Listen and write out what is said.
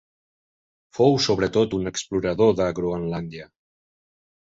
Fou sobretot un explorador de Groenlàndia.